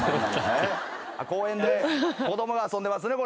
公園で子供が遊んでますねこれ。